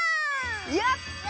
やった！